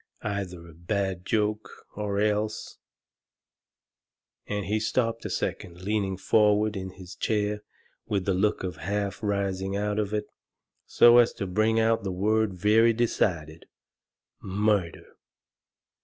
Either a bad joke, or else " And he stopped a second, leaning forward in his chair, with the look of half raising out of it, so as to bring out the word very decided "MURDER!"